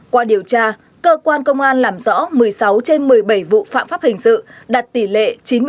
qua điều tra cơ quan công an làm rõ một mươi sáu trên một mươi bảy vụ phạm pháp hình sự đạt tỷ lệ chín mươi bốn một mươi một